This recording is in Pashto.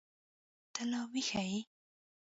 ته لا ويښه يې.